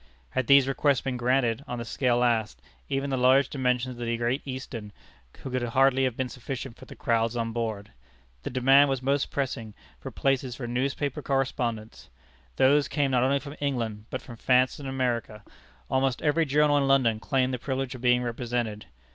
Had these requests been granted, on the scale asked, even the large dimensions of the Great Eastern could hardly have been sufficient for the crowds on board. The demand was most pressing for places for newspaper correspondents. These came not only from England, but from France and America. Almost every journal in London claimed the privilege of being represented.